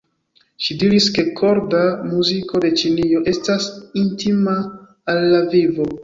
Ŝi diris, ke korda muziko de Ĉinio estas intima al la vivo.